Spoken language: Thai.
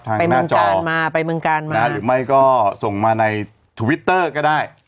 ทางหน้าจอมาไปเมืองกาลมาหรือไม่ก็ส่งมาในทวิตเตอร์ก็ได้